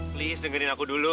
please dengerin aku dulu